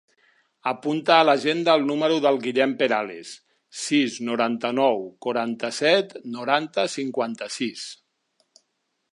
Apunta a l'agenda el número del Guillem Perales: sis, noranta-nou, quaranta-set, noranta, cinquanta-sis.